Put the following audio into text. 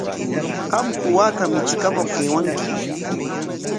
¿Qamku waaka michikamuq aywanki?